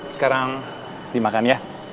sekarang dimakan ya